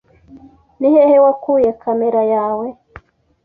Ni hehe wakuye kamera yawe?